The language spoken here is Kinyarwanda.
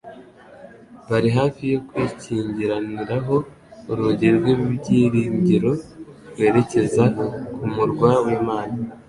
bari hafi yo kwikingiraniraho urugi rw'ibyiringiro rwerekeza ku murwa w'Imana.